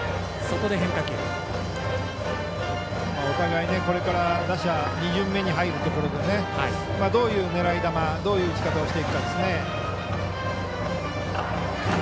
お互い、これから打者２巡目に入るところどういう狙い球どういう打ち方をしていくか。